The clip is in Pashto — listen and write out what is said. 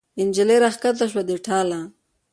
نجلۍ را کښته شوه د ټاله